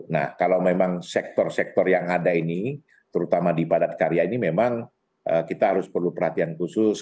nah kalau memang sektor sektor yang ada ini terutama di padat karya ini memang kita harus perlu perhatian khusus